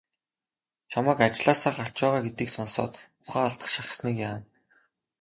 Чамайг ажлаасаа гарч байгаа гэдгийг сонсоод ухаан алдах шахсаныг яана.